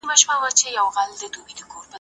څوک په بهر کي د افغانانو ستونزي حل کوي؟